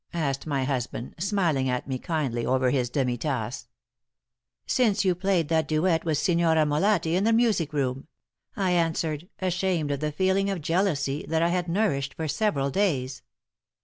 asked my husband, smiling at me kindly over his demi tasse. "Since you played that duet with Signorina Molatti in the music room," I answered, ashamed of the feeling of jealousy that I had nourished for several days.